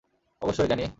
অবশ্যই, জ্যানি।